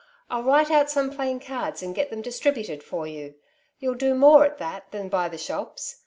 Fll write out some plain cards, and get them distributed for you. You'll do more at that than by the shops.